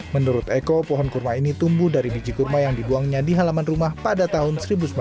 menurut eko pohon kurma ini tumbuh dari biji kurma yang dibuangnya di halaman rumah pada tahun seribu sembilan ratus sembilan puluh